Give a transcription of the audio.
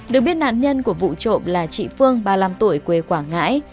được biết nạn nhân của vụ trộm là chị phương ba mươi năm tuổi quê quảng ngãi